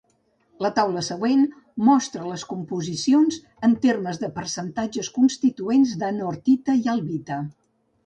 La taula següent mostra les composicions en termes de percentatges constituents d'anortita i albita.